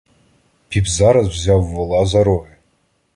Піп зараз взяв вола за роги